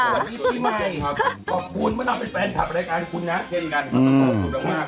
อันนี้ข้ะขอบคุณต้องเป็นแฟนคลับในรายการคุณนะเช่นกันอืมตูปฟุอาร์มา